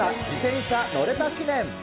自転車乗れた記念。